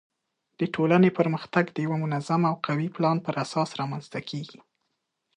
د ټولنې پرمختګ د یوه منظم او قوي پلان پر اساس رامنځته کیږي.